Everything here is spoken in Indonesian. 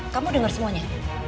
kamu denger semuanya